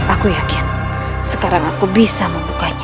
aku yakin sekarang aku bisa membukanya